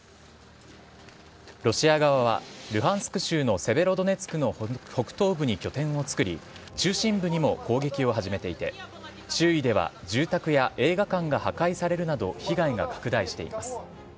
ロシア側はルハンスク州のセベロドネツクの北東部に拠点を作り、中心部にも攻撃を始めていて、周囲では住宅や映画館が破壊されるなど被害が拡大しています。